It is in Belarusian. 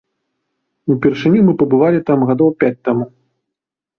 Упершыню мы пабывалі там гадоў пяць таму.